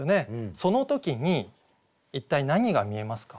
その時に一体何が見えますか？